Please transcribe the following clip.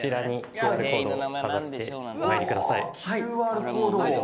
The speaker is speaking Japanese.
ＱＲコードを。